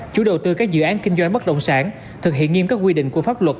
chủ đầu tư các dự án kinh doanh bất động sản thực hiện nghiêm các quy định của pháp luật